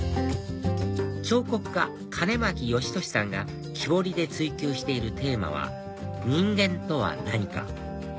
彫刻家金巻芳俊さんが木彫りで追求しているテーマは「人間とは何か？」